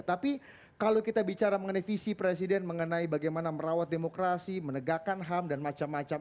tapi kalau kita bicara mengenai visi presiden mengenai bagaimana merawat demokrasi menegakkan ham dan macam macam